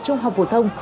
trung học phổ thông